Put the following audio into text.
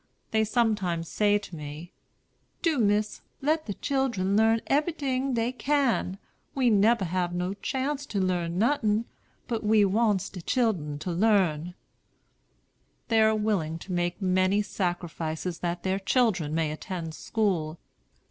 They sometimes say to me: "Do, Miss, let de children learn eberyting dey can. We neber hab no chance to learn nuttin'; but we wants de chillen to learn." They are willing to make many sacrifices that their children may attend school.